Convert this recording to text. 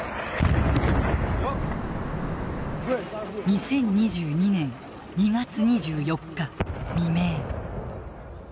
２０２２年２月２４日未明。